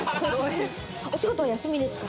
お仕事は休みですか？